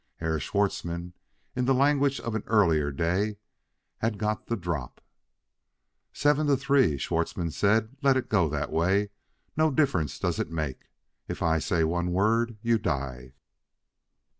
Herr Schwartzmann, in the language of an earlier day, had got the drop. "Seven to three," Schwartzmann said; "let it go that way; no difference does it make. If I say one word, you die."